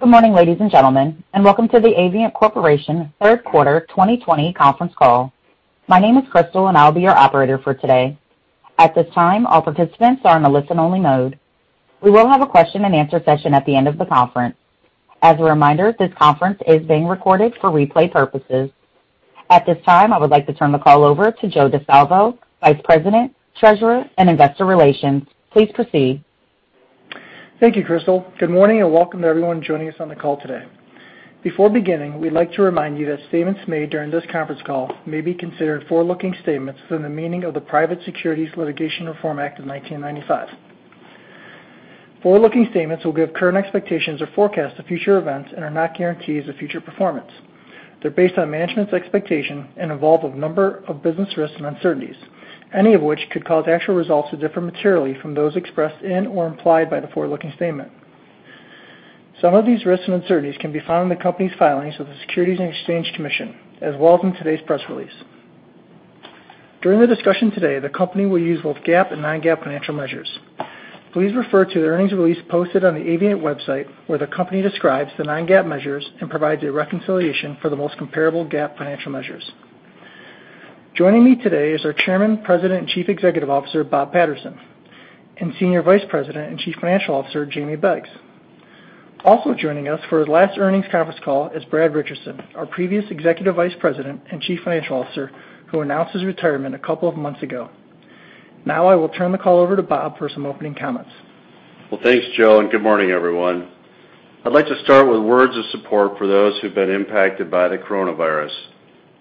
Good morning, ladies and gentlemen, and welcome to the Avient Corporation third quarter 2020 conference call. My name is Crystal, and I'll be your operator for today. At this time, all participants are in a listen-only mode. We will have a question-and-answer session at the end of the conference. As a reminder, this conference is being recorded for replay purposes. At this time, I would like to turn the call over to Joe Di Salvo, Vice President, Treasurer, and Investor Relations. Please proceed. Thank you, Crystal. Good morning and welcome to everyone joining us on the call today. Before beginning, we'd like to remind you that statements made during this conference call may be considered forward-looking statements within the meaning of the Private Securities Litigation Reform Act of 1995. Forward-looking statements will give current expectations or forecasts of future events and are not guarantees of future performance. They're based on management's expectation and involve a number of business risks and uncertainties, any of which could cause actual results to differ materially from those expressed in or implied by the forward-looking statement. Some of these risks and uncertainties can be found in the company's filings with the Securities and Exchange Commission, as well as in today's press release. During the discussion today, the company will use both GAAP and non-GAAP financial measures. Please refer to the earnings release posted on the Avient website, where the company describes the non-GAAP measures and provides a reconciliation for the most comparable GAAP financial measures. Joining me today is our Chairman, President, and Chief Executive Officer, Bob Patterson, and Senior Vice President and Chief Financial Officer, Jamie Beggs. Also joining us for his last earnings conference call is Brad Richardson, our previous Executive Vice President and Chief Financial Officer, who announced his retirement a couple of months ago. Now, I will turn the call over to Bob for some opening comments. Well, thanks, Joe, and good morning, everyone. I'd like to start with words of support for those who've been impacted by the coronavirus.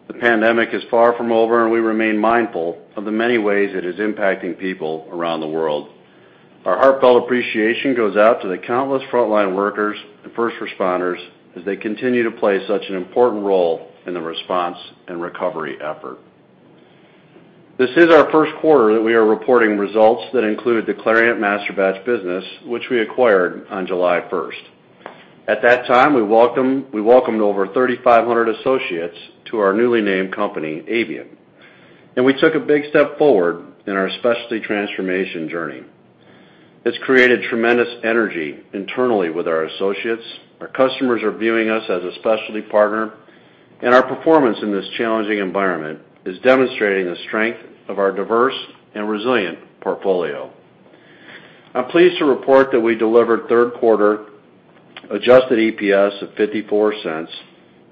The pandemic is far from over, and we remain mindful of the many ways it is impacting people around the world. Our heartfelt appreciation goes out to the countless frontline workers and first responders as they continue to play such an important role in the response and recovery effort. This is our first quarter that we are reporting results that include the Clariant Masterbatch business, which we acquired on July 1st. At that time, we welcomed over 3,500 associates to our newly named company, Avient, and we took a big step forward in our specialty transformation journey. It's created tremendous energy internally with our associates. Our customers are viewing us as a specialty partner, and our performance in this challenging environment is demonstrating the strength of our diverse and resilient portfolio. I'm pleased to report that we delivered third quarter adjusted EPS of $0.54,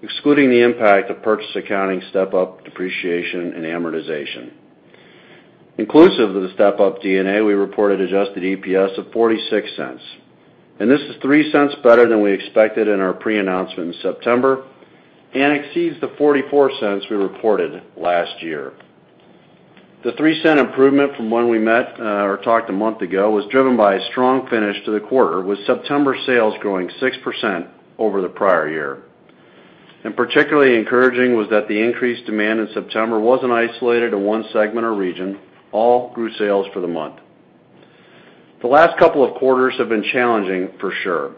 excluding the impact of purchase accounting step-up depreciation and amortization. Inclusive of the step-up D&A, we reported adjusted EPS of $0.46. This is $0.03 better than we expected in our pre-announcement in September and exceeds the $0.44 we reported last year. The $0.03 improvement from when we met or talked a month ago was driven by a strong finish to the quarter, with September sales growing 6% over the prior year. Particularly encouraging was that the increased demand in September wasn't isolated to one segment or region. All grew sales for the month. The last couple of quarters have been challenging, for sure.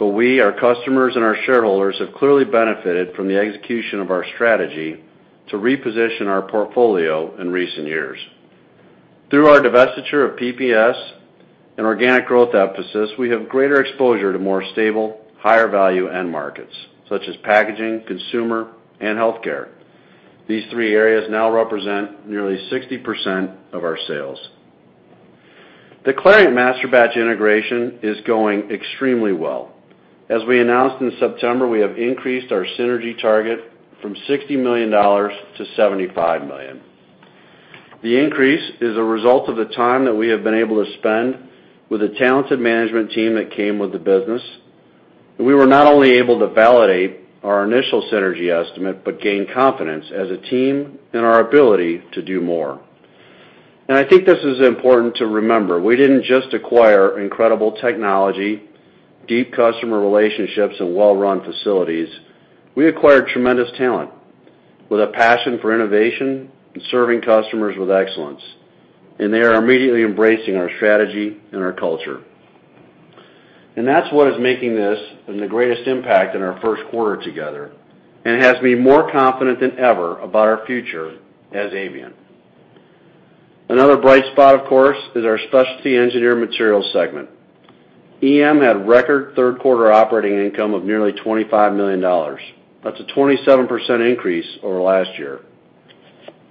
We, our customers, and our shareholders have clearly benefited from the execution of our strategy to reposition our portfolio in recent years. Through our divestiture of PPS and organic growth emphasis, we have greater exposure to more stable, higher value end markets, such as packaging, consumer, and healthcare. These three areas now represent nearly 60% of our sales. The Clariant Masterbatch integration is going extremely well. As we announced in September, we have increased our synergy target from $60 million to $75 million. The increase is a result of the time that we have been able to spend with the talented management team that came with the business. We were not only able to validate our initial synergy estimate but gained confidence as a team in our ability to do more. I think this is important to remember. We didn't just acquire incredible technology, deep customer relationships, and well-run facilities. We acquired tremendous talent with a passion for innovation and serving customers with excellence, and they are immediately embracing our strategy and our culture. That's what is making this the greatest impact in our first quarter together and has me more confident than ever about our future as Avient. Another bright spot, of course, is our Specialty Engineered Materials segment. SEM had record third quarter operating income of nearly $25 million. That's a 27% increase over last year.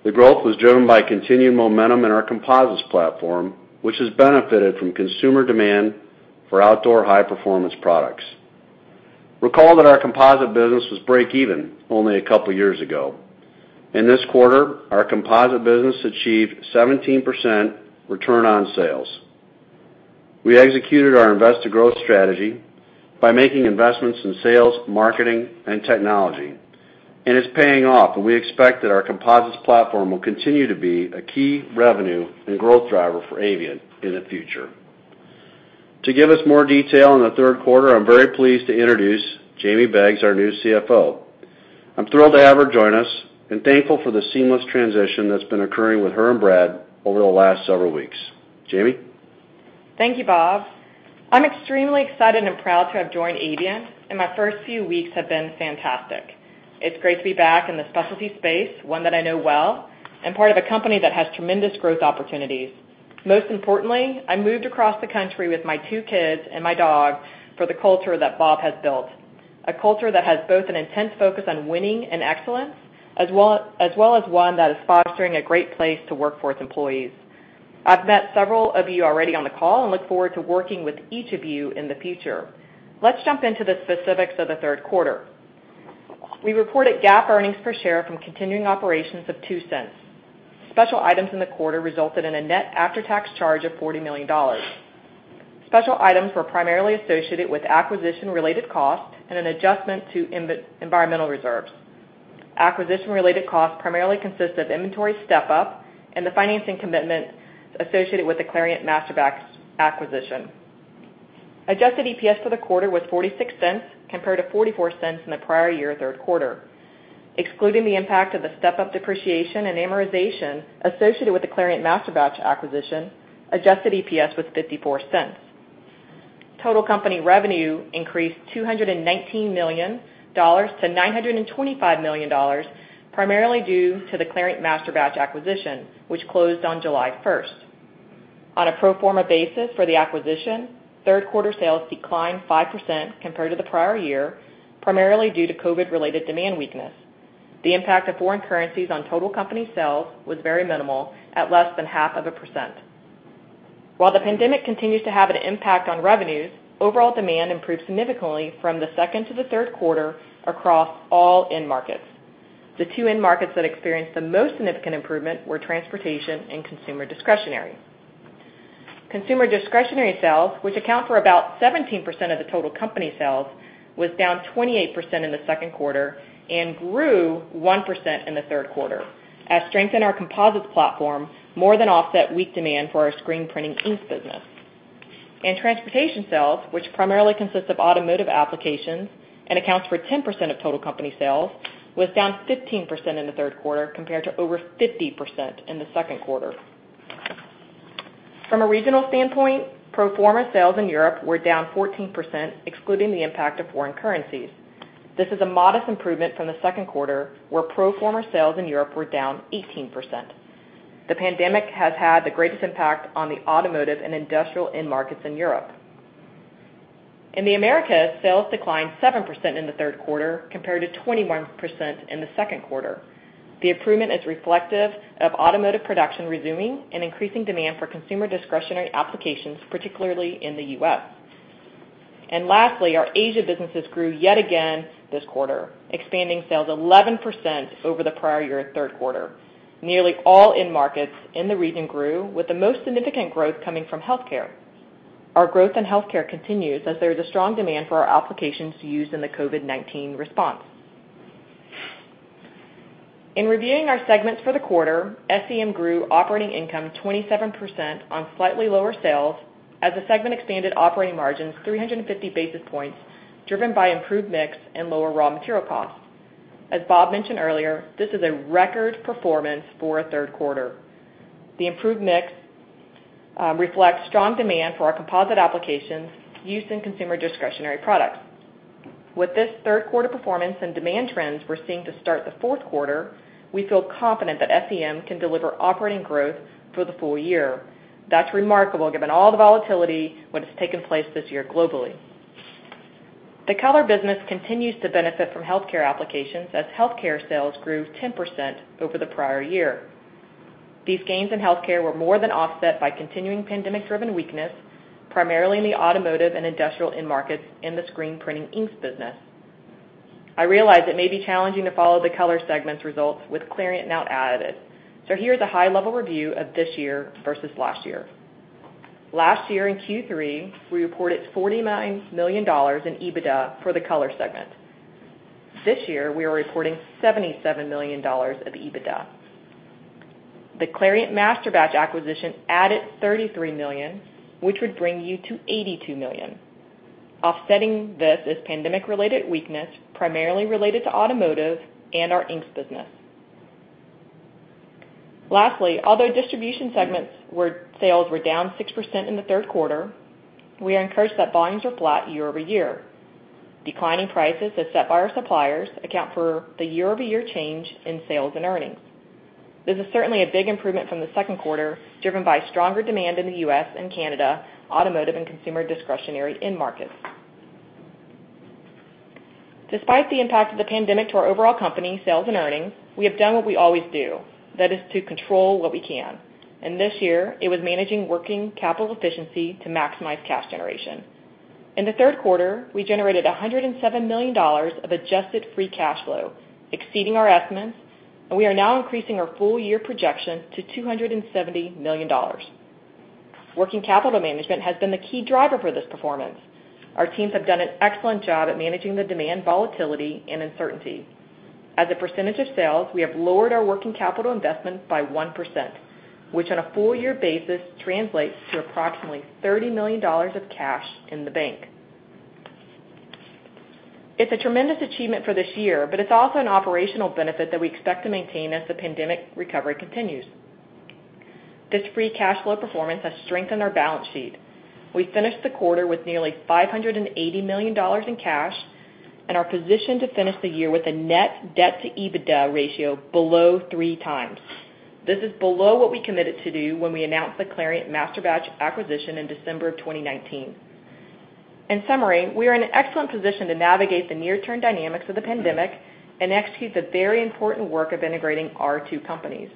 The growth was driven by continued momentum in our composites platform, which has benefited from consumer demand for outdoor high-performance products. Recall that our composite business was break-even only a couple of years ago. In this quarter, our composite business achieved a 17% return on sales. We executed our invest to growth strategy by making investments in sales, marketing, and technology. It's paying off, and we expect that our composites platform will continue to be a key revenue and growth driver for Avient in the future. To give us more detail on the third quarter, I'm very pleased to introduce Jamie Beggs, our new CFO. I'm thrilled to have her join us and thankful for the seamless transition that's been occurring with her and Brad over the last several weeks. Jamie? Thank you, Bob. I'm extremely excited and proud to have joined Avient, and my first few weeks have been fantastic. It's great to be back in the specialty space, one that I know well, and part of a company that has tremendous growth opportunities. Most importantly, I moved across the country with my two kids and my dog for the culture that Bob has built. A culture that has both an intense focus on winning and excellence, as well as one that is fostering a great place to work for its employees. I've met several of you already on the call and look forward to working with each of you in the future. Let's jump into the specifics of the third quarter. We reported GAAP earnings per share from continuing operations of $0.02. Special items in the quarter resulted in a net after-tax charge of $40 million. Special items were primarily associated with acquisition-related costs and an adjustment to environmental reserves. Acquisition-related costs primarily consist of inventory step-up and the financing commitment associated with the Clariant Masterbatch acquisition. Adjusted EPS for the quarter was $0.46 compared to $0.44 in the prior year third quarter. Excluding the impact of the step-up depreciation and amortization associated with the Clariant Masterbatch acquisition, adjusted EPS was $0.54. Total company revenue increased $219 million to $925 million, primarily due to the Clariant Masterbatch acquisition, which closed on July 1st. On a pro forma basis for the acquisition, third quarter sales declined 5% compared to the prior year, primarily due to COVID-related demand weakness. The impact of foreign currencies on total company sales was very minimal, at less than 0.5%. While the pandemic continues to have an impact on revenues, overall demand improved significantly from the second to the third quarter across all end markets. The two end markets that experienced the most significant improvement were transportation and consumer discretionary. Consumer discretionary sales, which account for about 17% of the total company sales, was down 28% in the second quarter and grew 1% in the third quarter, as strength in our composites platform more than offset weak demand for our screen printing inks business. Transportation sales, which primarily consists of automotive applications and accounts for 10% of total company sales, was down 15% in the third quarter, compared to over 50% in the second quarter. From a regional standpoint, pro forma sales in Europe were down 14%, excluding the impact of foreign currencies. This is a modest improvement from the second quarter, where pro forma sales in Europe were down 18%. The pandemic has had the greatest impact on the automotive and industrial end markets in Europe. In the Americas, sales declined 7% in the third quarter, compared to 21% in the second quarter. The improvement is reflective of automotive production resuming and increasing demand for consumer discretionary applications, particularly in the U.S. Lastly, our Asia businesses grew yet again this quarter, expanding sales 11% over the prior year third quarter. Nearly all end markets in the region grew, with the most significant growth coming from healthcare. Our growth in healthcare continues as there is a strong demand for our applications used in the COVID-19 response. In reviewing our segments for the quarter, SEM grew operating income 27% on slightly lower sales as the segment expanded operating margins 350 basis points, driven by improved mix and lower raw material costs. As Bob mentioned earlier, this is a record performance for a third quarter. The improved mix reflects strong demand for our composite applications used in consumer discretionary products. With this third quarter performance and demand trends we're seeing to start the fourth quarter, we feel confident that SEM can deliver operating growth for the full year. That's remarkable given all the volatility, what has taken place this year globally. The color business continues to benefit from healthcare applications as healthcare sales grew 10% over the prior year. These gains in healthcare were more than offset by continuing pandemic-driven weakness, primarily in the automotive and industrial end markets in the screen printing inks business. I realize it may be challenging to follow the color segment's results with Clariant now added, so here is a high-level review of this year versus last year. Last year in Q3, we reported $49 million in EBITDA for the color segment. This year, we are reporting $77 million of EBITDA. The Clariant Masterbatch acquisition added $33 million, which would bring you to $82 million. Offsetting this is pandemic-related weakness, primarily related to automotive and our inks business. Lastly, although distribution segment sales were down 6% in the third quarter, we are encouraged that volumes are flat year-over-year. Declining prices as set by our suppliers account for the year-over-year change in sales and earnings. This is certainly a big improvement from the second quarter, driven by stronger demand in the U.S. and Canada automotive and consumer discretionary end markets. Despite the impact of the pandemic to our overall company sales and earnings, we have done what we always do. That is to control what we can. And this year, it was managing working capital efficiency to maximize cash generation. In the third quarter, we generated $107 million of adjusted free cash flow, exceeding our estimates, and we are now increasing our full year projection to $270 million. Working capital management has been the key driver for this performance. Our teams have done an excellent job at managing the demand volatility and uncertainty. As a percentage of sales, we have lowered our working capital investment by 1%, which on a full year basis translates to approximately $30 million of cash in the bank. It's a tremendous achievement for this year, but it's also an operational benefit that we expect to maintain as the pandemic recovery continues. This free cash flow performance has strengthened our balance sheet. We finished the quarter with nearly $580 million in cash and are positioned to finish the year with a net debt-to-EBITDA ratio below 3x. This is below what we committed to do when we announced the Clariant Masterbatch acquisition in December of 2019. In summary, we are in an excellent position to navigate the near-term dynamics of the pandemic and execute the very important work of integrating our two companies.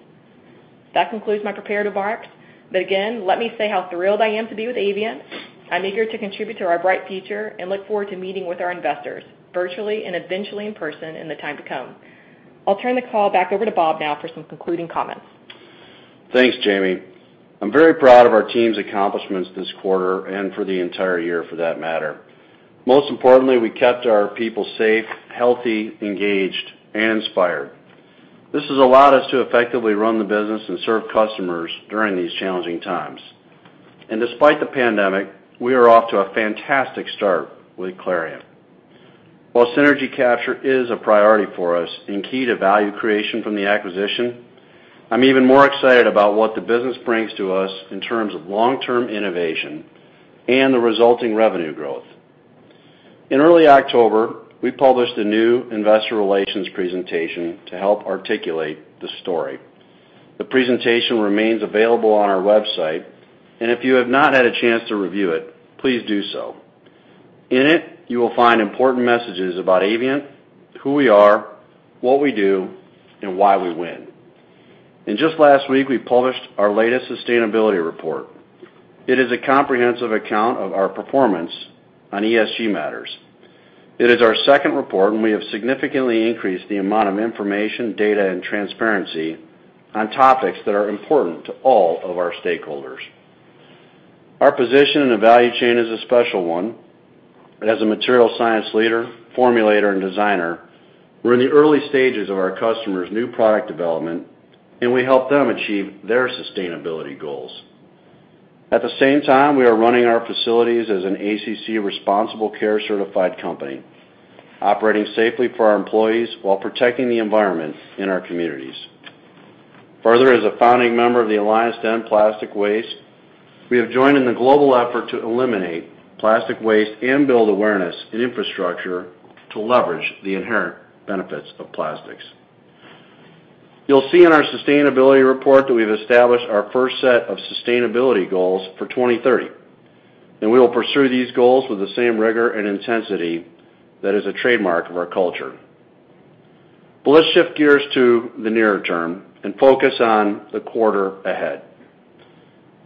That concludes my prepared remarks. Again, let me say how thrilled I am to be with Avient. I'm eager to contribute to our bright future and look forward to meeting with our investors virtually and eventually in person in the time to come. I'll turn the call back over to Bob now for some concluding comments. Thanks, Jamie. I'm very proud of our team's accomplishments this quarter and for the entire year for that matter. Most importantly, we kept our people safe, healthy, engaged and inspired. This has allowed us to effectively run the business and serve customers during these challenging times. Despite the pandemic, we are off to a fantastic start with Clariant. While synergy capture is a priority for us and key to value creation from the acquisition, I'm even more excited about what the business brings to us in terms of long-term innovation and the resulting revenue growth. In early October, we published a new investor relations presentation to help articulate the story. The presentation remains available on our website, and if you have not had a chance to review it, please do so. In it, you will find important messages about Avient, who we are, what we do, and why we win. Just last week, we published our latest sustainability report. It is a comprehensive account of our performance on ESG matters. It is our second report, and we have significantly increased the amount of information, data, and transparency on topics that are important to all of our stakeholders. Our position in the value chain is a special one. As a material science leader, formulator, and designer, we're in the early stages of our customers' new product development, and we help them achieve their sustainability goals. At the same time, we are running our facilities as an ACC Responsible Care-certified company, operating safely for our employees while protecting the environment in our communities. Further, as a founding member of the Alliance to End Plastic Waste, we have joined in the global effort to eliminate plastic waste and build awareness and infrastructure to leverage the inherent benefits of plastics. You'll see in our sustainability report that we've established our first set of sustainability goals for 2030, and we will pursue these goals with the same rigor and intensity that is a trademark of our culture. Let's shift gears to the nearer term and focus on the quarter ahead.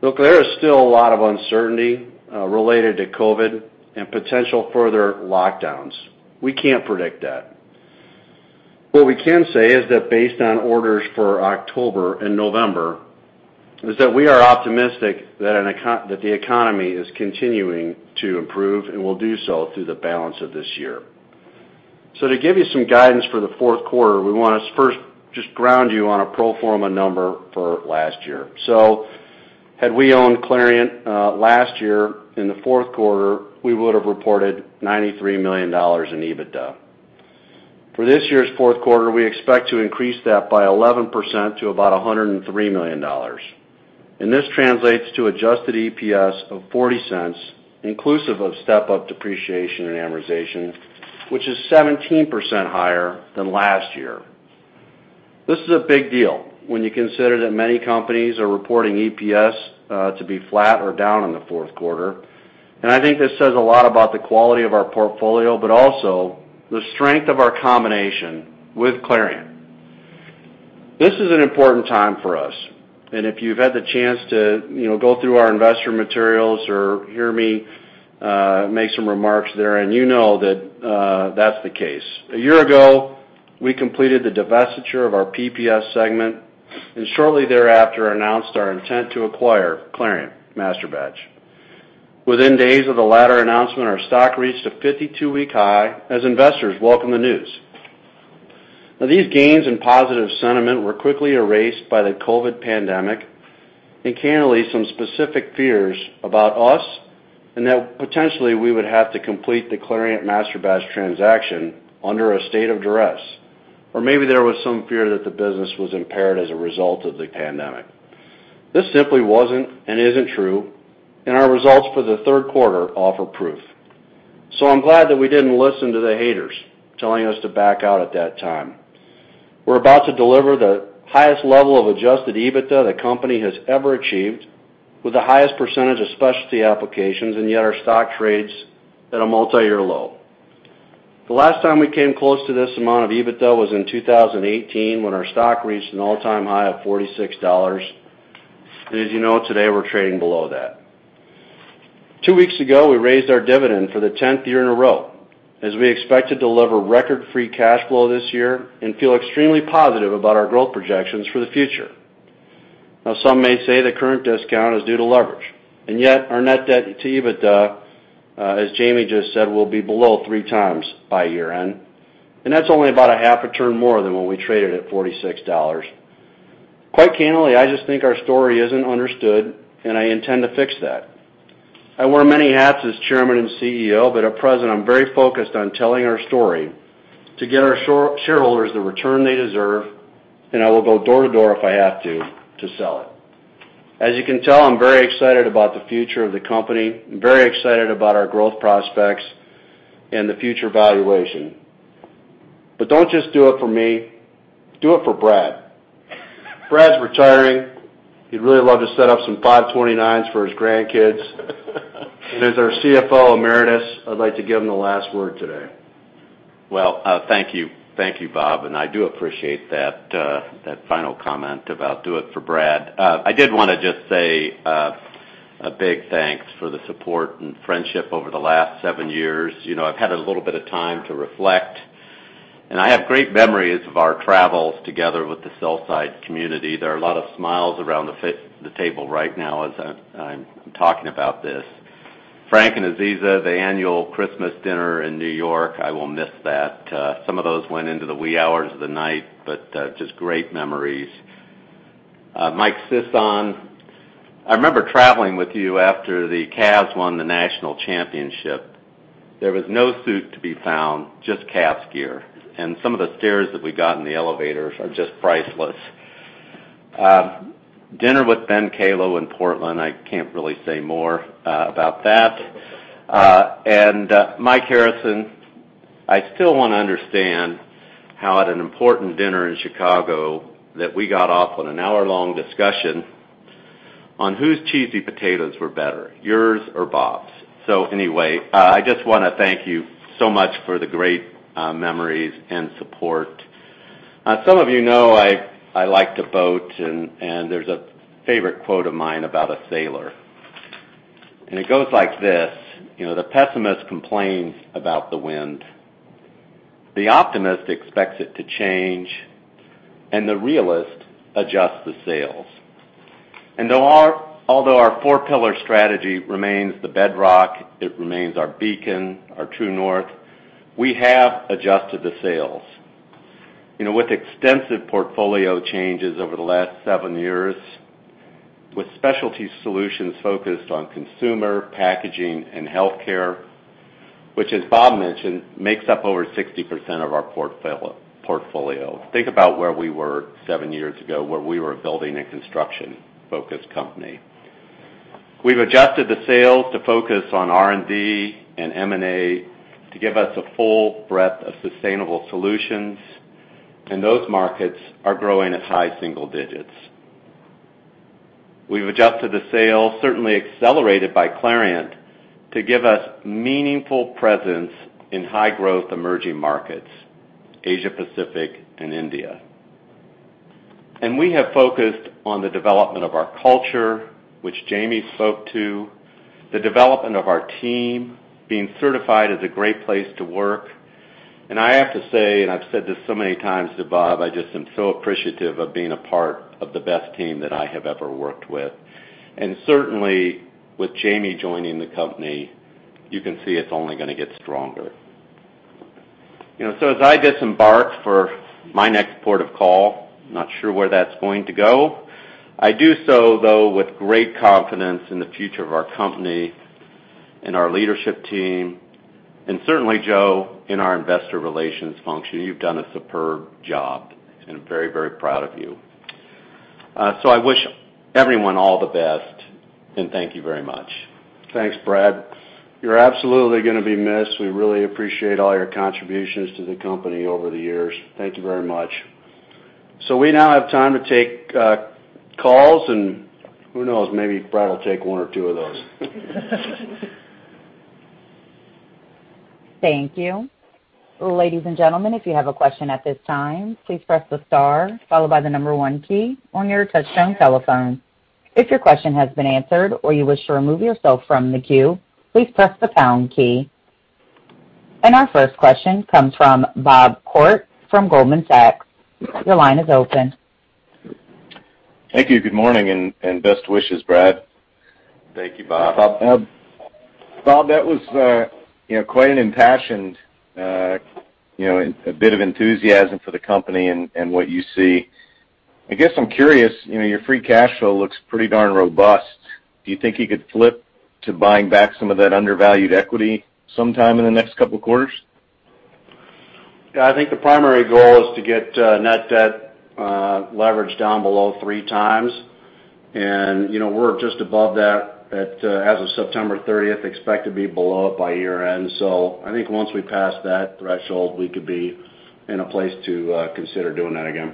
There is still a lot of uncertainty related to COVID and potential further lockdowns. We can't predict that. What we can say is that based on orders for October and November, is that we are optimistic that the economy is continuing to improve and will do so through the balance of this year. To give you some guidance for the fourth quarter, we want to first just ground you on a pro forma number for last year. Had we owned Clariant last year in the fourth quarter, we would have reported $93 million in EBITDA. For this year's fourth quarter, we expect to increase that by 11% to about $103 million. This translates to adjusted EPS of $0.40 inclusive of step-up depreciation and amortization, which is 17% higher than last year. This is a big deal when you consider that many companies are reporting EPS to be flat or down in the fourth quarter. I think this says a lot about the quality of our portfolio, but also the strength of our combination with Clariant. This is an important time for us. If you've had the chance to go through our investor materials or hear me make some remarks therein, you know that that's the case. A year ago, we completed the divestiture of our PPS segment, and shortly thereafter announced our intent to acquire Clariant Masterbatch. Within days of the latter announcement, our stock reached a 52-week high as investors welcomed the news. These gains and positive sentiment were quickly erased by the COVID pandemic and candidly some specific fears about us and that potentially we would have to complete the Clariant Masterbatch transaction under a state of duress. Maybe there was some fear that the business was impaired as a result of the pandemic. This simply wasn't and isn't true. Our results for the third quarter offer proof. I'm glad that we didn't listen to the haters telling us to back out at that time. We're about to deliver the highest level of Adjusted EBITDA the company has ever achieved with the highest percentage of specialty applications, yet our stock trades at a multi-year low. The last time we came close to this amount of EBITDA was in 2018 when our stock reached an all-time high of $46. As you know, today, we're trading below that. Two weeks ago, we raised our dividend for the 10th year in a row as we expect to deliver record free cash flow this year and feel extremely positive about our growth projections for the future. Some may say the current discount is due to leverage, yet our net debt-to-EBITDA, as Jamie just said, will be below 3x by year-end. That's only about a half a turn more than when we traded at $46. Quite candidly, I just think our story isn't understood, and I intend to fix that. I wear many hats as Chairman and CEO, but at present, I'm very focused on telling our story to get our shareholders the return they deserve, and I will go door to door if I have to sell it. As you can tell, I'm very excited about the future of the company. I'm very excited about our growth prospects and the future valuation. Don't just do it for me, do it for Brad. Brad's retiring. He'd really love to set up some 529s for his grandkids. As our CFO emeritus, I'd like to give him the last word today. Well, thank you. Thank you, Bob, and I do appreciate that final comment about do it for Brad. I did want to just say a big thanks for the support and friendship over the last seven years. I've had a little bit of time to reflect, and I have great memories of our travels together with the sell-side community. There are a lot of smiles around the table right now as I'm talking about this. Frank and Aziza, the annual Christmas dinner in New York, I will miss that. Some of those went into the wee hours of the night, but just great memories. Mike Sisson, I remember traveling with you after the Cavs won the national championship. There was no suit to be found, just Cavs gear, and some of the stares that we got in the elevators are just priceless. Dinner with Ben Kallo in Portland, I can't really say more about that. Mike Harrison, I still want to understand how at an important dinner in Chicago that we got off on an hour-long discussion on whose cheesy potatoes were better, yours or Bob's. Anyway, I just want to thank you so much for the great memories and support. Some of you know I like to boat, and there's a favorite quote of mine about a sailor. It goes like this: the pessimist complains about the wind, the optimist expects it to change, and the realist adjusts the sails. Although our four-pillar strategy remains the bedrock, it remains our beacon, our true north, we have adjusted the sails. With extensive portfolio changes over the last seven years, with specialty solutions focused on consumer, packaging, and healthcare, which, as Bob mentioned, makes up over 60% of our portfolio. Think about where we were seven years ago, where we were a building and construction-focused company. We've adjusted the sails to focus on R&D and M&A to give us a full breadth of sustainable solutions, and those markets are growing at high single-digits. We've adjusted the sails, certainly accelerated by Clariant, to give us meaningful presence in high-growth emerging markets, Asia Pacific and India. We have focused on the development of our culture, which Jamie spoke to, the development of our team, being certified as a Great Place to Work. I have to say, I've said this so many times to Bob, I just am so appreciative of being a part of the best team that I have ever worked with. Certainly, with Jamie joining the company, you can see it's only going to get stronger. As I disembark for my next port of call, not sure where that's going to go, I do so, though, with great confidence in the future of our company and our leadership team, and certainly, Joe, in our investor relations function, you've done a superb job, and I'm very proud of you. I wish everyone all the best, and thank you very much. Thanks, Brad. You're absolutely going to be missed. We really appreciate all your contributions to the company over the years. Thank you very much. We now have time to take calls, and who knows, maybe Brad will take one or two of those. Thank you. Ladies and gentlemen, if you have a question at this time, please press the star followed by the number one key on your touch-tone telephone. If your question has been answered or you wish to remove yourself from the queue, please press the pound key. Our first question comes from Bob Koort from Goldman Sachs. Your line is open. Thank you. Good morning, and best wishes, Brad. Thank you, Bob. Bob, that was quite an impassioned bit of enthusiasm for the company and what you see. I guess I'm curious, your free cash flow looks pretty darn robust. Do you think you could flip to buying back some of that undervalued equity sometime in the next couple of quarters? I think the primary goal is to get net debt leverage down below 3x, and we're just above that as of September 30th, expect to be below it by year-end. I think once we pass that threshold, we could be in a place to consider doing that again.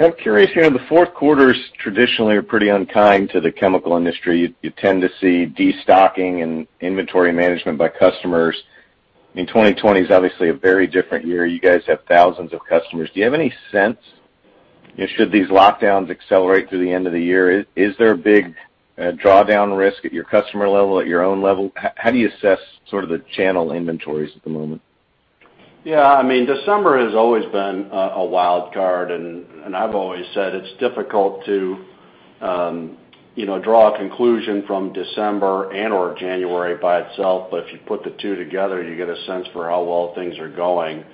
I'm curious here, the fourth quarter's traditionally are pretty unkind to the chemical industry. You tend to see destocking and inventory management by customers. I mean, 2020 is obviously a very different year. You guys have thousands of customers. Do you have any sense, should these lockdowns accelerate through the end of the year, is there a big drawdown risk at your customer level, at your own level? How do you assess sort of the channel inventories at the moment? December has always been a wild card, and I've always said it's difficult to draw a conclusion from December and/or January by itself. If you put the two together, you get a sense for how well things are going.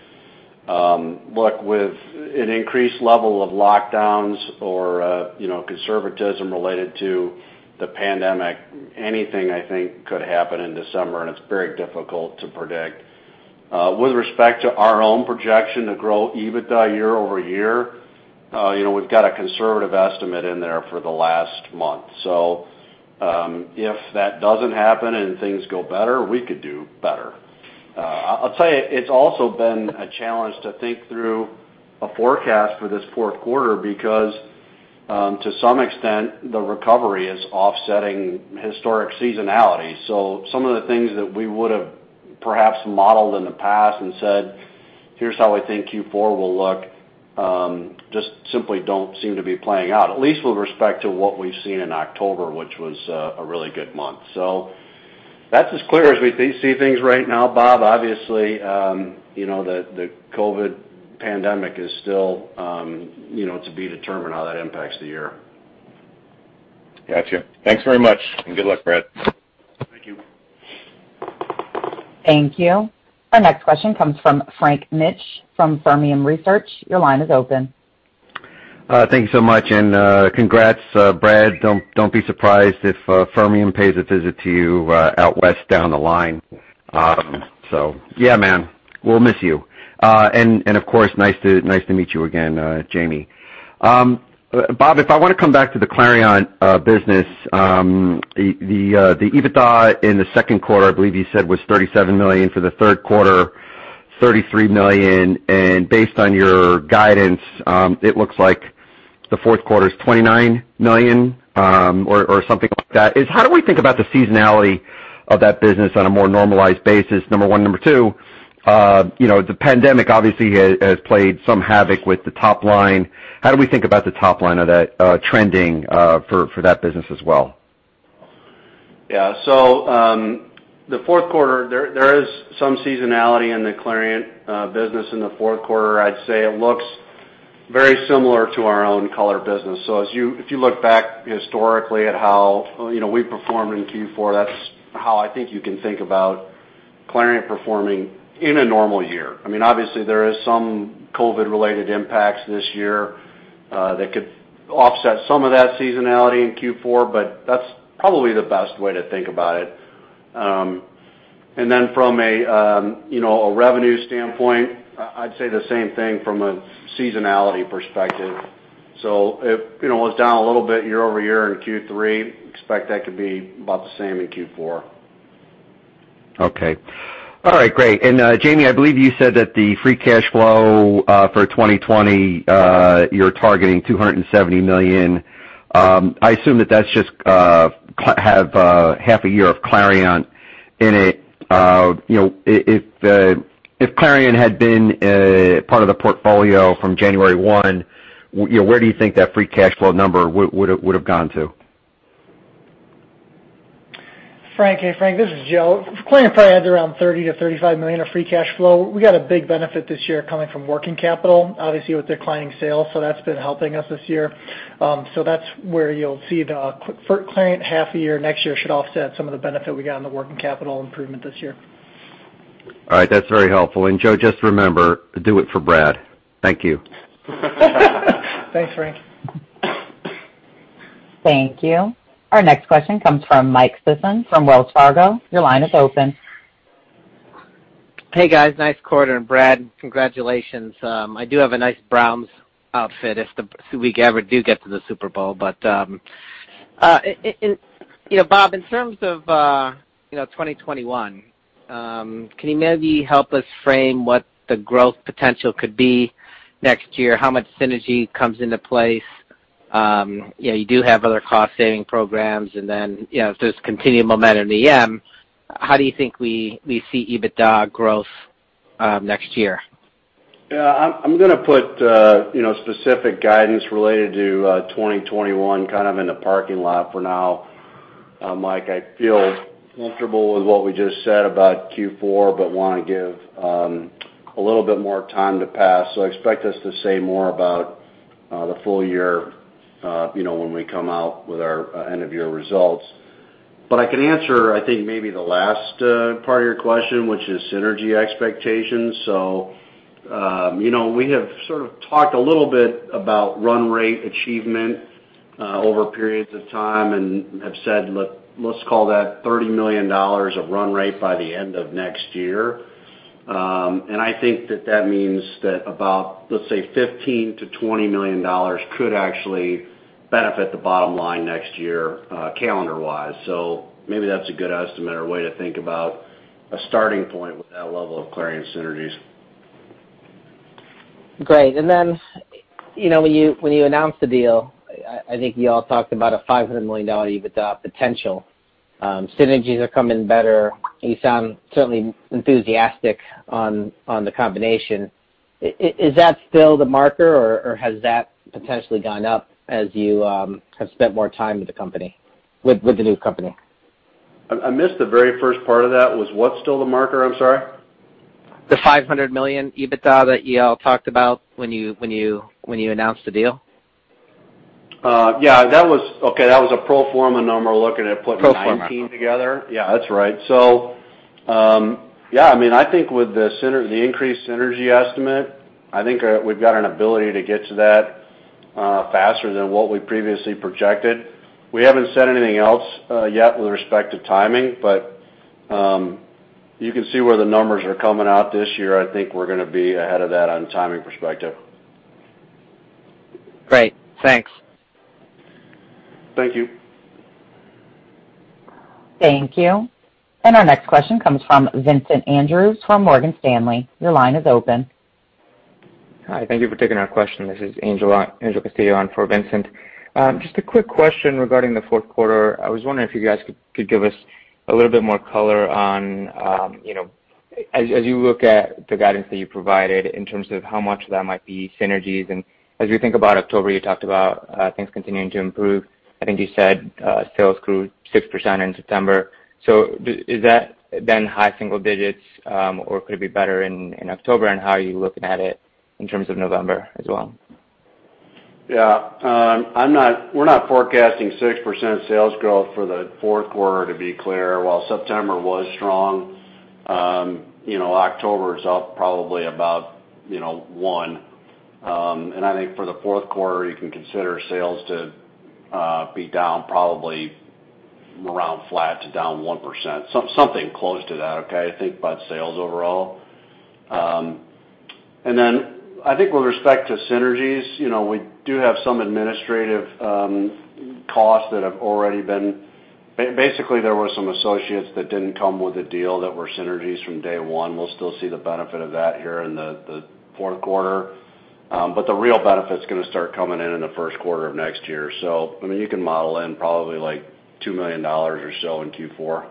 With an increased level of lockdowns or conservatism related to the pandemic, anything, I think, could happen in December, and it's very difficult to predict. With respect to our own projection to grow EBITDA year-over-year, we've got a conservative estimate in there for the last month. If that doesn't happen and things go better, we could do better. I'll tell you, it's also been a challenge to think through a forecast for this fourth quarter because to some extent, the recovery is offsetting historic seasonality. Some of the things that we would have perhaps modeled in the past and said, here's how I think Q4 will look, just simply don't seem to be playing out, at least with respect to what we've seen in October, which was a really good month. That's as clear as we see things right now, Bob. Obviously, the COVID pandemic is still to be determined how that impacts the year. Got you. Thanks very much, and good luck, Brad. Thank you. Thank you. Our next question comes from Frank Mitsch from Fermium Research. Your line is open. Thanks so much, and congrats, Brad. Don't be surprised if Fermium pays a visit to you out west down the line. Man, we'll miss you. And of course, nice to meet you again, Jamie. Bob, if I want to come back to the Clariant business, the EBITDA in the second quarter, I believe you said, was $37 million. For the third quarter, $33 million. Based on your guidance, it looks like the fourth quarter is $29 million, or something like that. How do we think about the seasonality of that business on a more normalized basis, number one? Number two, the pandemic obviously has played some havoc with the top-line. How do we think about the top-line of that trending for that business as well? There is some seasonality in the Clariant business in the fourth quarter. I'd say it looks very similar to our own color business. If you look back historically at how we performed in Q4, that's how I think you can think about Clariant performing in a normal year. Obviously, there is some COVID-related impacts this year that could offset some of that seasonality in Q4, but that's probably the best way to think about it. From a revenue standpoint, I'd say the same thing from a seasonality perspective. It was down a little bit year-over-year in Q3. Expect that to be about the same in Q4. Okay. All right, great. Jamie, I believe you said that the free cash flow for 2020, you're targeting $270 million. I assume that that's just have half a year of Clariant in it. If Clariant had been part of the portfolio from January 1, where do you think that free cash flow number would have gone to? Hey, Frank, this is Joe. Clariant probably adds around $30 million-$35 million of free cash flow. We got a big benefit this year coming from working capital, obviously with declining sales, so that's been helping us this year. That's where you'll see the Clariant half a year next year should offset some of the benefit we got on the working capital improvement this year. All right. That's very helpful. Joe, just remember, do it for Brad. Thank you. Thanks, Frank. Thank you. Our next question comes from Mike Sisson from Wells Fargo. Your line is open. Hey, guys, nice quarter, and Brad, congratulations. I do have a nice Browns outfit if we ever do get to the Super Bowl. Bob, in terms of 2021, can you maybe help us frame what the growth potential could be next year? How much synergy comes into place? You do have other cost-saving programs, and then if there's continued momentum in SEM, how do you think we see EBITDA growth next year? I'm going to put specific guidance related to 2021 kind of in the parking lot for now, Mike. I feel comfortable with what we just said about Q4, but want to give a little bit more time to pass. Expect us to say more about the full year when we come out with our end-of-year results. But I can answer, I think, maybe the last part of your question, which is synergy expectations. We have sort of talked a little bit about run rate achievement over periods of time and have said, let's call that $30 million of run rate by the end of next year. And I think that that means that about, let's say $15 million-$20 million could actually benefit the bottom-line next year calendar wise. Maybe that's a good estimate or way to think about a starting point with that level of Clariant synergies. Great. When you announced the deal, I think you all talked about a $500 million EBITDA potential. Synergies are coming better. You sound certainly enthusiastic on the combination. Is that still the marker, or has that potentially gone up as you have spent more time with the new company? I missed the very first part of that. Was what still the marker? I'm sorry. The $500 million EBITDA that you all talked about when you announced the deal. That was a pro forma number looking at- Pro forma.... 2019 together. That's right. I think with the increased synergy estimate, I think we've got an ability to get to that faster than what we previously projected. We haven't said anything else yet with respect to timing, but you can see where the numbers are coming out this year. I think we're going to be ahead of that on timing perspective. Great. Thanks. Thank you. Thank you. Our next question comes from Vincent Andrews from Morgan Stanley. Your line is open. Hi. Thank you for taking our question. This is Angel Castillo on for Vincent. Just a quick question regarding the fourth quarter. I was wondering if you guys could give us a little bit more color on, as you look at the guidance that you provided, in terms of how much that might be synergies. As we think about October, you talked about things continuing to improve. I think you said sales grew 6% in September. Is that then high single-digits, or could it be better in October, and how are you looking at it in terms of November as well? We're not forecasting 6% sales growth for the fourth quarter, to be clear. While September was strong, October is up probably about 1%. I think for the fourth quarter, you can consider sales to be down probably around flat to down 1%, something close to that, I think, about sales overall. I think with respect to synergies, we do have some administrative costs that have already been—Basically, there were some associates that didn't come with the deal that were synergies from day one. We'll still see the benefit of that here in the fourth quarter. The real benefit's going to start coming in in the first quarter of next year. You can model in probably like $2 million or so in Q4.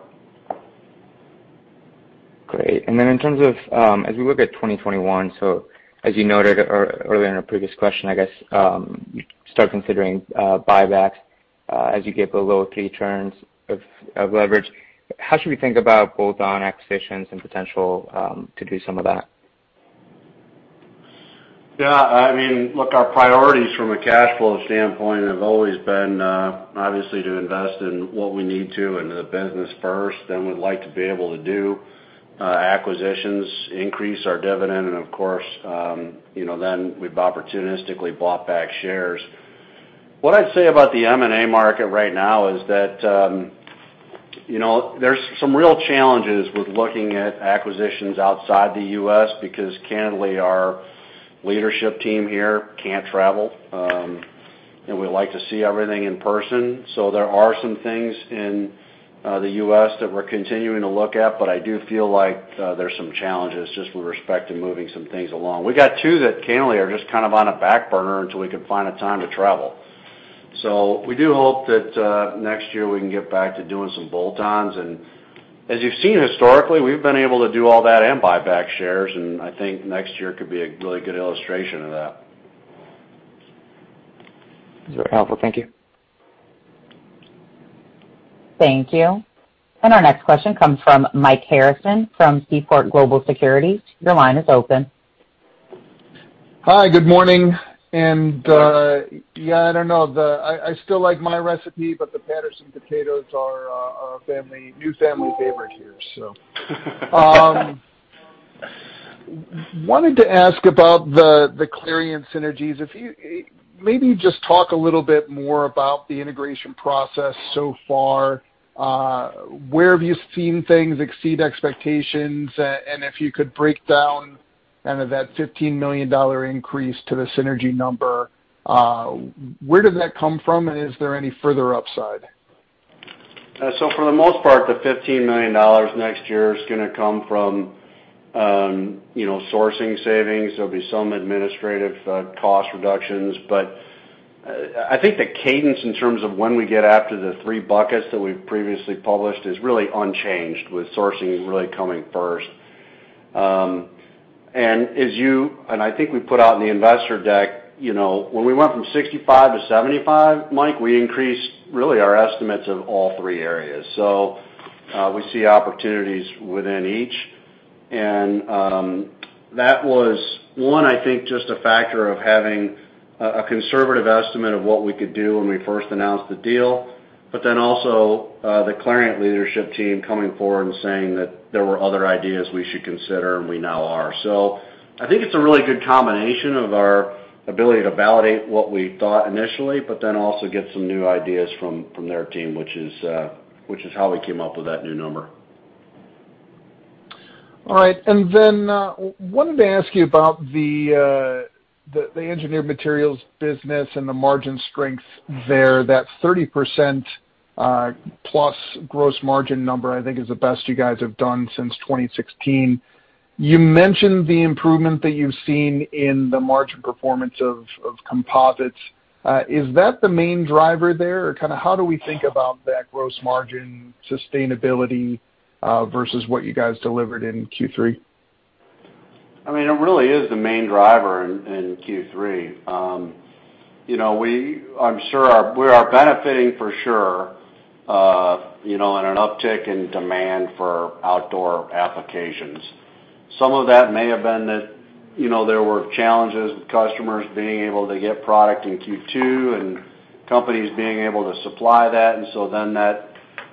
Great. As we look at 2021, so as you noted earlier in a previous question, I guess, start considering buybacks as you get below 3x of leverage. How should we think about bolt-on acquisitions and potential to do some of that? Our priorities from a cash flow standpoint have always been, obviously, to invest in what we need to into the business first. We'd like to be able to do acquisitions, increase our dividend, and of course, then we've opportunistically bought back shares. What I'd say about the M&A market right now is that there's some real challenges with looking at acquisitions outside the U.S. because candidly, our leadership team here can't travel, and we like to see everything in person. There are some things in the U.S. that we're continuing to look at, but I do feel like there's some challenges just with respect to moving some things along. We've got two that candidly are just kind of on a back burner until we can find a time to travel. We do hope that next year we can get back to doing some bolt-ons. As you've seen historically, we've been able to do all that and buy back shares, and I think next year could be a really good illustration of that. That's very helpful. Thank you. Thank you. Our next question comes from Mike Harrison from Seaport Global Securities. Your line is open. Hi, good morning. I don't know. I still like my recipe, but the Patterson potatoes are our new family favorite here. Wanted to ask about the Clariant synergies. Maybe just talk a little bit more about the integration process so far. Where have you seen things exceed expectations? If you could break down that $15 million increase to the synergy number, where did that come from, and is there any further upside? For the most part, the $15 million next year is going to come from sourcing savings. There'll be some administrative cost reductions. I think the cadence in terms of when we get after the three buckets that we've previously published is really unchanged, with sourcing really coming first. I think we put out in the investor deck, when we went from $65 million to $75 million, Mike, we increased really our estimates of all three areas. We see opportunities within each. That was one, I think, just a factor of having a conservative estimate of what we could do when we first announced the deal, but then also the Clariant leadership team coming forward and saying that there were other ideas we should consider, and we now are. I think it's a really good combination of our ability to validate what we thought initially, but then also get some new ideas from their team, which is how we came up with that new number. All right. Wanted to ask you about the Engineered Materials business and the margin strength there. That 30%+ gross margin number, I think is the best you guys have done since 2016. You mentioned the improvement that you've seen in the margin performance of composites. Is that the main driver there? How do we think about that gross margin sustainability versus what you guys delivered in Q3? It really is the main driver in Q3. We are benefiting for sure in an uptick in demand for outdoor applications. Some of that may have been that there were challenges with customers being able to get product in Q2 and companies being able to supply that. That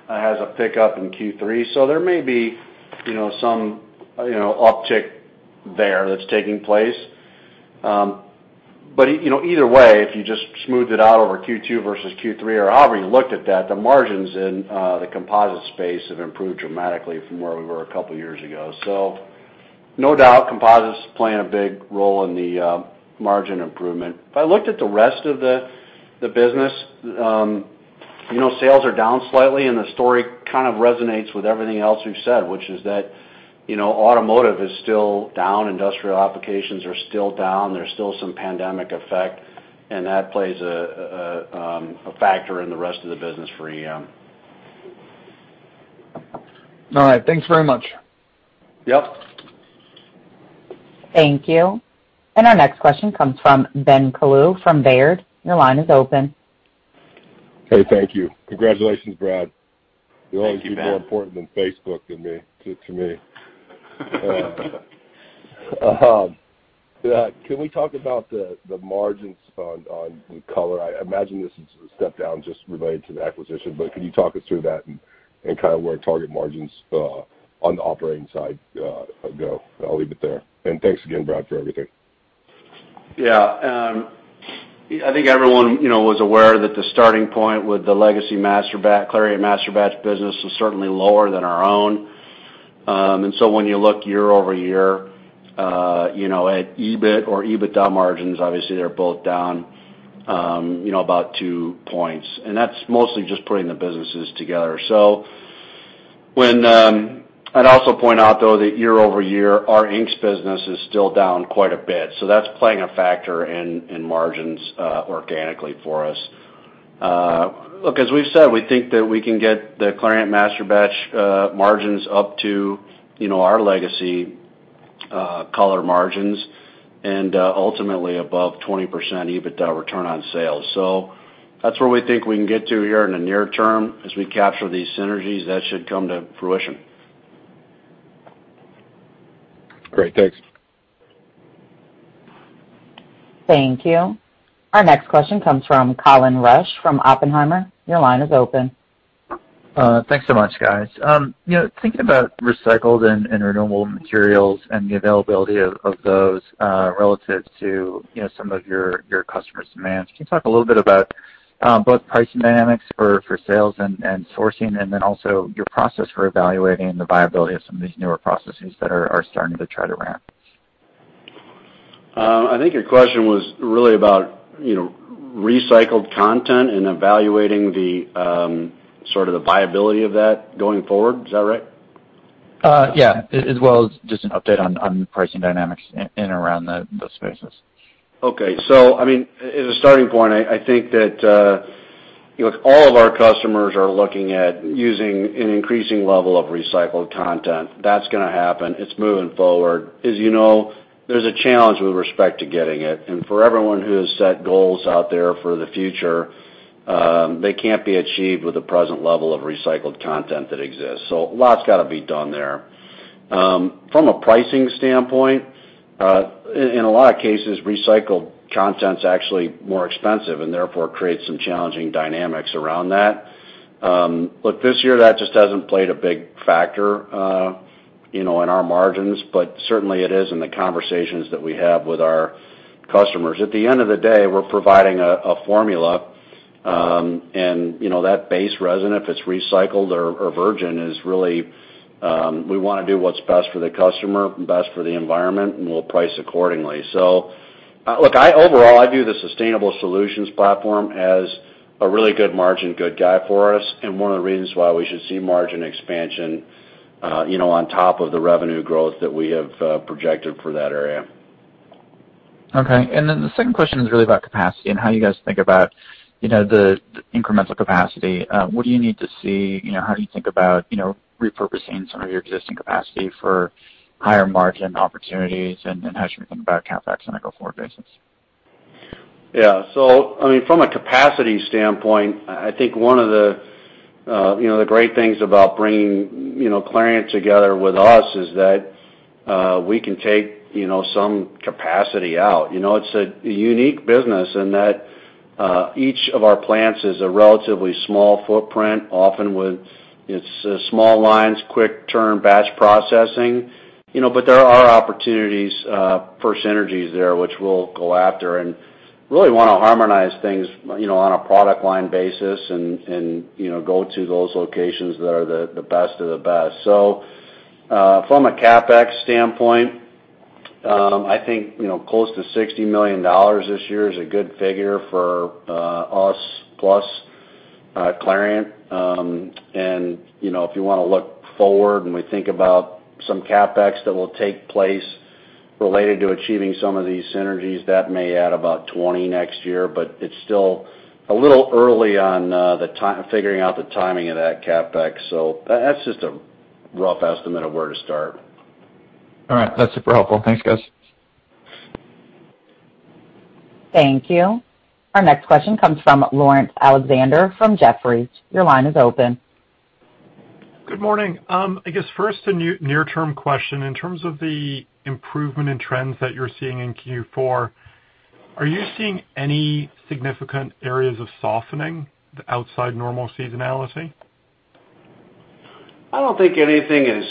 has a pickup in Q3. There may be some uptick there that's taking place. Either way, if you just smoothed it out over Q2 versus Q3 or however you looked at that, the margins in the composite space have improved dramatically from where we were a couple of years ago. No doubt, composites playing a big role in the margin improvement. If I looked at the rest of the business, sales are down slightly, and the story kind of resonates with everything else we've said, which is that automotive is still down, industrial applications are still down. There's still some pandemic effect, and that plays a factor in the rest of the business for EM. All right. Thanks very much. Thank you. Our next question comes from Ben Kallo from Baird. Your line is open. Hey, thank you. Congratulations, Brad. Thank you, Ben. You're always more important than Facebook to me. Can we talk about the margins on color? I imagine this is a step down just related to the acquisition, can you talk us through that and kind of where target margins on the operating side go? I'll leave it there. Thanks again, Brad, for everything. I think everyone was aware that the starting point with the legacy Clariant Masterbatch business was certainly lower than our own. When you look year-over-year at EBIT or EBITDA margins, obviously they're both down about 2%. That's mostly just putting the businesses together. I'd also point out, though, that year-over-year, our inks business is still down quite a bit, that's playing a factor in margins organically for us. As we've said, we think that we can get the Clariant Masterbatch margins up to our legacy color margins and, ultimately, above 20% EBITDA return on sales. That's where we think we can get to here in the near term. As we capture these synergies, that should come to fruition. Great. Thanks. Thank you. Our next question comes from Colin Rusch from Oppenheimer. Your line is open. Thanks so much, guys. Thinking about recycled and renewable materials and the availability of those relative to some of your customers' demands, can you talk a little bit about both pricing dynamics for sales and sourcing and then also your process for evaluating the viability of some of these newer processes that are starting to try to ramp? I think your question was really about recycled content and evaluating the viability of that going forward. Is that right? Yeah. As well as just an update on pricing dynamics in and around those spaces. Okay. As a starting point, I think that look, all of our customers are looking at using an increasing level of recycled content. That's going to happen. It's moving forward. As you know, there's a challenge with respect to getting it, and for everyone who has set goals out there for the future, they can't be achieved with the present level of recycled content that exists. A lot's got to be done there. From a pricing standpoint, in a lot of cases, recycled content is actually more expensive and therefore creates some challenging dynamics around that. This year, that just hasn't played a big factor in our margins, but certainly it is in the conversations that we have with our customers. At the end of the day, we're providing a formula, that base resin, if it's recycled or virgin, is really we want to do what's best for the customer and best for the environment, and we'll price accordingly. Overall, I view the sustainable solutions platform as a really good margin, good guy for us, and one of the reasons why we should see margin expansion on top of the revenue growth that we have projected for that area. Okay. The second question is really about capacity and how you guys think about the incremental capacity. What do you need to see? How do you think about repurposing some of your existing capacity for higher margin opportunities, and how should we think about CapEx on a go-forward basis? From a capacity standpoint, I think one of the great things about bringing Clariant together with us is that we can take some capacity out. It's a unique business in that each of our plants is a relatively small footprint, often with its small lines, quick turn batch processing. There are opportunities for synergies there, which we'll go after and really want to harmonize things on a product line basis and go to those locations that are the best of the best. From a CapEx standpoint, I think close to $60 million this year is a good figure for us plus Clariant. If you want to look forward and we think about some CapEx that will take place related to achieving some of these synergies, that may add about $20 million next year, but it's still a little early on figuring out the timing of that CapEx. That's just a rough estimate of where to start. All right. That's super helpful. Thanks, guys. Thank you. Our next question comes from Laurence Alexander from Jefferies. Your line is open. Good morning. I guess first, a near-term question. In terms of the improvement in trends that you're seeing in Q4, are you seeing any significant areas of softening outside normal seasonality? I don't think anything is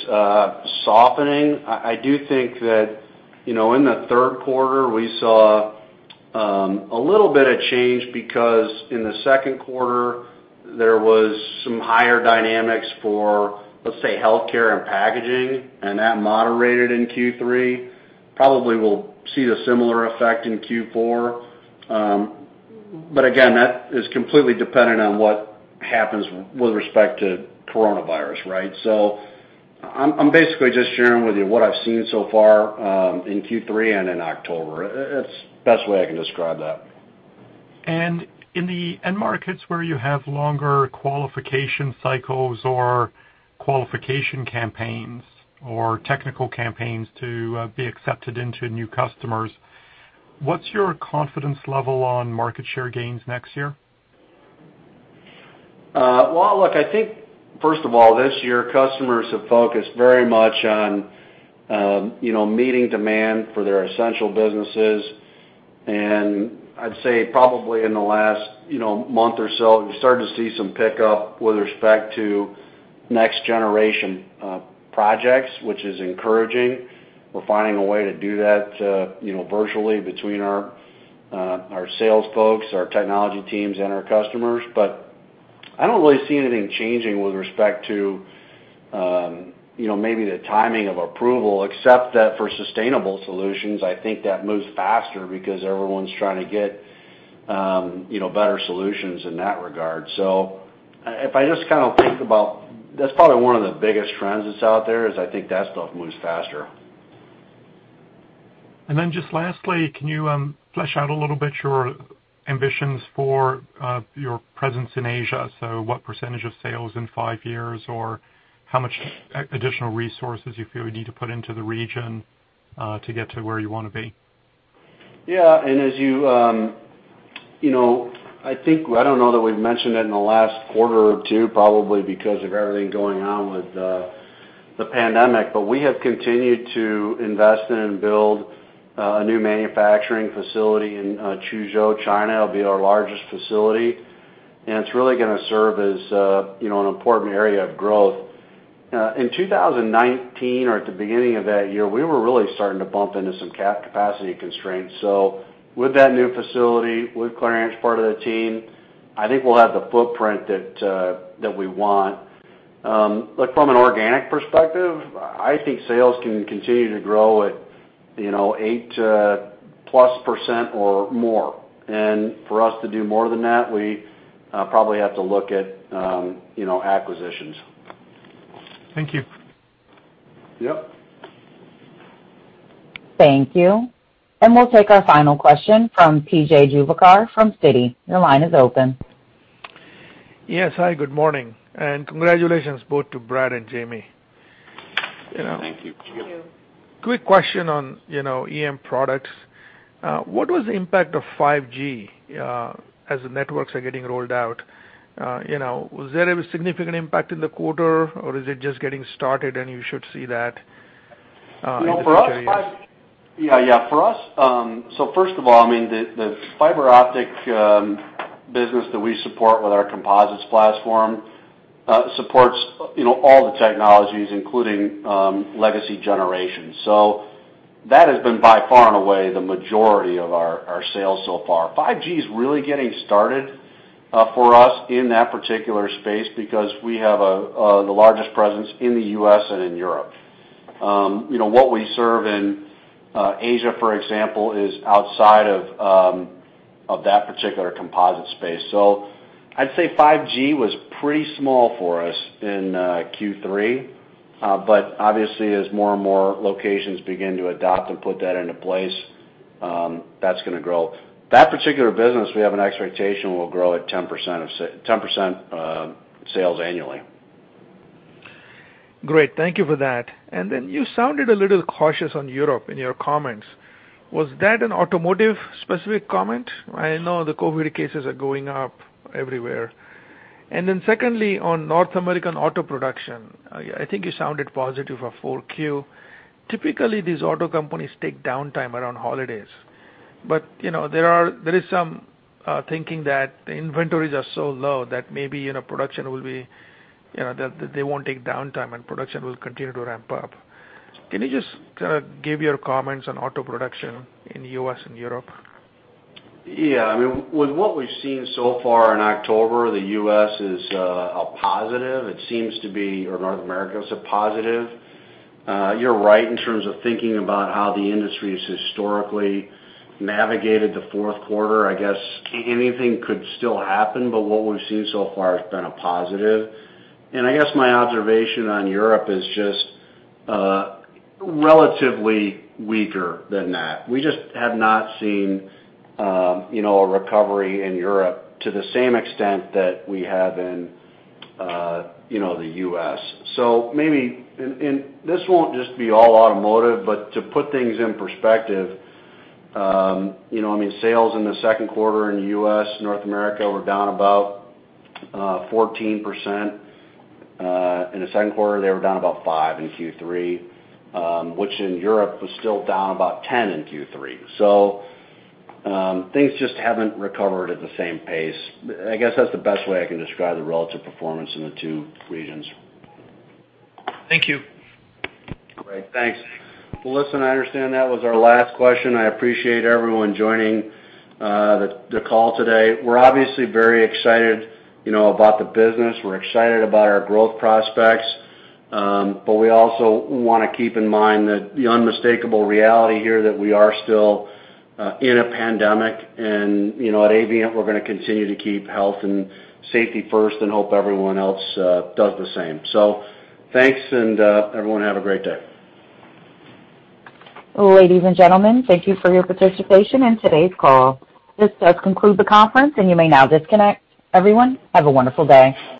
softening. I do think that in the third quarter, we saw a little bit of change because in the second quarter there was some higher dynamics for, let's say, healthcare and packaging, and that moderated in Q3. Probably we'll see the similar effect in Q4. Again, that is completely dependent on what happens with respect to coronavirus. I'm basically just sharing with you what I've seen so far, in Q3 and in October. It's the best way I can describe that. In the end markets where you have longer qualification cycles or qualification campaigns or technical campaigns to be accepted into new customers, what's your confidence level on market share gains next year? I think first of all, this year, customers have focused very much on meeting demand for their essential businesses. I'd say probably in the last month or so, we've started to see some pickup with respect to next-generation projects, which is encouraging. We're finding a way to do that virtually between our sales folks, our technology teams, and our customers. I don't really see anything changing with respect to maybe the timing of approval, except that for sustainable solutions, I think that moves faster because everyone's trying to get better solutions in that regard. That's probably one of the biggest trends that's out there, is I think that stuff moves faster. Then just lastly, can you flesh out a little bit your ambitions for your presence in Asia? What percentage of sales in five years, or how much additional resources you feel you need to put into the region to get to where you want to be? I don't know that we've mentioned it in the last quarter or two, probably because of everything going on with the pandemic. We have continued to invest in and build a new manufacturing facility in Suzhou, China. It'll be our largest facility. It's really going to serve as an important area of growth. In 2019 or at the beginning of that year, we were really starting to bump into some capacity constraints. With that new facility, with Clariant part of the team, I think we'll have the footprint that we want. From an organic perspective, I think sales can continue to grow at 8%+ or more. For us to do more than that, we probably have to look at acquisitions. Thank you. Thank you. We'll take our final question from P.J. Juvekar from Citi. Your line is open. Hi, good morning, and congratulations both to Brad and Jamie. Thank you. Thank you. Quick question on EM products. What was the impact of 5G as the networks are getting rolled out? Was there a significant impact in the quarter, or is it just getting started and you should see that in the future years? First of all, the fiber optic business that we support with our composites platform supports all the technologies, including legacy generations. That has been by far and away the majority of our sales so far. 5G is really getting started for us in that particular space because we have the largest presence in the U.S. and in Europe. What we serve in Asia, for example, is outside of that particular composite space. I'd say 5G was pretty small for us in Q3. Obviously as more and more locations begin to adopt and put that into place, that's going to grow. That particular business, we have an expectation will grow at 10% sales annually. Great. Thank you for that. Then you sounded a little cautious on Europe in your comments. Was that an automotive specific comment? I know the COVID cases are going up everywhere. Secondly, on North American auto production, I think you sounded positive for 4Q. Typically, these auto companies take downtime around holidays. There is some thinking that the inventories are so low that maybe production will be that they won't take downtime and production will continue to ramp up. Can you just give your comments on auto production in the U.S. and Europe? With what we've seen so far in October, the U.S. is a positive. It seems to be, or North America is a positive. You're right in terms of thinking about how the industry has historically navigated the fourth quarter. I guess anything could still happen, but what we've seen so far has been a positive. I guess my observation on Europe is just relatively weaker than that. We just have not seen a recovery in Europe to the same extent that we have in the U.S. Maybe, and this won't just be all automotive, but to put things in perspective, sales in the second quarter in the U.S., North America were down about 14%. In the second quarter, they were down about 5% in Q3, which in Europe was still down about 10% in Q3. Things just haven't recovered at the same pace. I guess that's the best way I can describe the relative performance in the two regions. Thank you. Great. Thanks. Melissa, I understand that was our last question. I appreciate everyone joining the call today. We're obviously very excited about the business. We're excited about our growth prospects. We also want to keep in mind that the unmistakable reality here that we are still in a pandemic, and at Avient, we're going to continue to keep health and safety first and hope everyone else does the same. Thanks, and everyone have a great day. Ladies and gentlemen, thank you for your participation in today's call. This does conclude the conference, and you may now disconnect. Everyone, have a wonderful day.